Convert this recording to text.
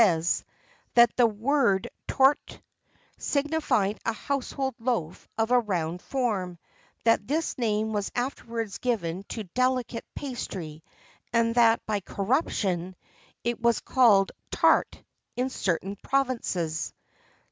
says, that the word tourte signified a household loaf of a round form; that this name was afterwards given to delicate pastry; and that, by corruption, it was called tart in certain provinces.